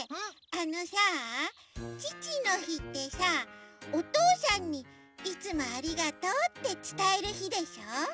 あのさちちのひってさおとうさんに「いつもありがとう」ってつたえるひでしょ？